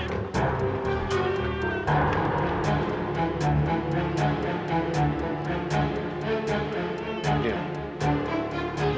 dan lo akan minta bantuan gue untuk diemin kava